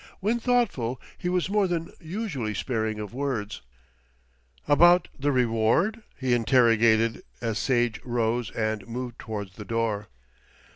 When thoughtful he was more than usually sparing of words. "About the reward?" he interrogated, as Sage rose and moved towards the door.